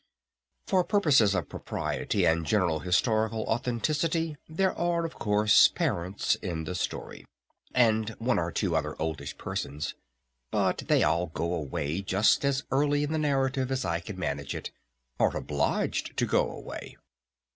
For purposes of propriety and general historical authenticity there are of course parents in the story. And one or two other oldish persons. But they all go away just as early in the narrative as I can manage it. Are obliged to go away!